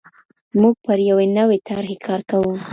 موږ پر یوي نوي طرحي کار کوو.